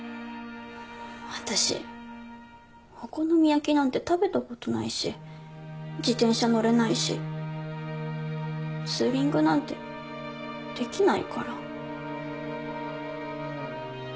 私お好み焼きなんて食べた事ないし自転車乗れないしツーリングなんてできないから。